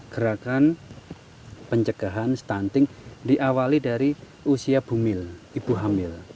gerakan pencegahan stunting diawali dari usia bumil ibu hamil